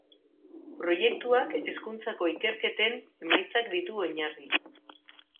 Proiektuak hezkuntzako ikerketen emaitzak ditu oinarri.